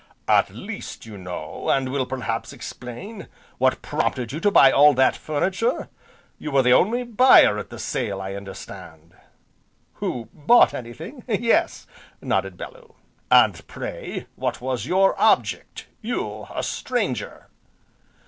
"At least you know, and will perhaps explain, what prompted you to buy all that furniture? You were the only buyer at the sale I understand." "Who bought anything, yes," nodded Bellew. "And pray what was your object, you a stranger?"